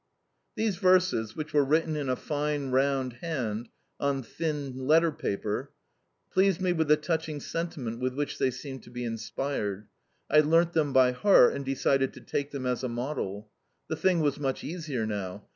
These verses (which were written in a fine, round hand on thin letter paper) pleased me with the touching sentiment with which they seemed to be inspired. I learnt them by heart, and decided to take them as a model. The thing was much easier now.